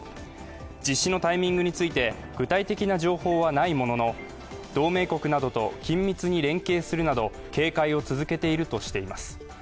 実施のタイミングについて、具体的な情報はないものの同盟国などと緊密に連携するなど警戒を続けているとしています。